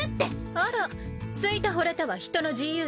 あら好いたほれたは人の自由よ。